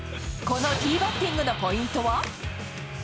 このティーバッティングのポイントは？